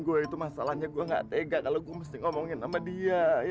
tuh han itu masalahnya gue gak tega kalo gue mesti ngomongin sama dia